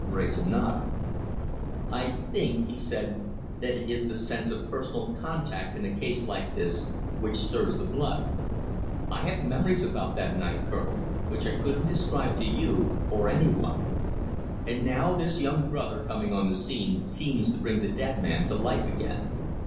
Wrayson nodded. "I think," he said, "that it is the sense of personal contact in a case like this which stirs the blood. I have memories about that night, Colonel, which I couldn't describe to you or any one. And now this young brother coming on the scene seems to bring the dead man to life again.